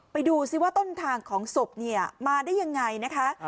ไปดูซิว่าต้นทางของศพมาได้อย่างไรนะคะ